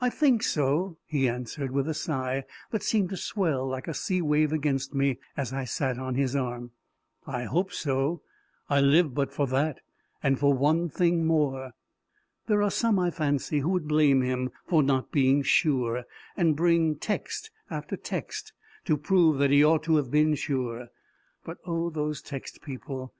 "I think so," he answered, with a sigh that seemed to swell like a sea wave against me, as I sat on his arm; " I hope so. I live but for that and for one thing more." There are some, I fancy, who would blame him for not being sure, and bring text after text to prove that he ought to have been sure. But oh those text people!